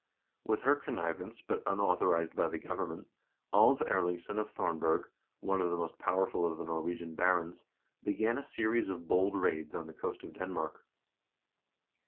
With her connivance, but unau thorized by the government, Alv Erlingsson of Thornberg,2 one of the most powerful of the Norwegian barons, began a series of bold raids on the coast of Denmark.